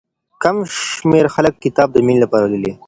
کم شمېر خلک کتاب د مينې لپاره لولي.